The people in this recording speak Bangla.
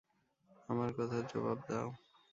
আমার কথার জবাব দাও।